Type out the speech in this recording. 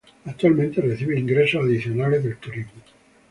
Actualmente recibe ingresos adicionales del turismo.